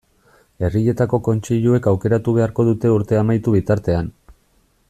Herrietako kontseiluek aukeratu beharko dute urtea amaitu bitartean.